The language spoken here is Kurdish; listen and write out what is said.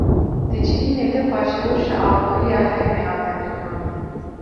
Di civînê de paşeroja aboriya herêmê hate nirxandin